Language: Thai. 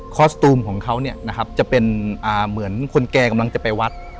สตูมของเขาเนี่ยนะครับจะเป็นเหมือนคนแก่กำลังจะไปวัด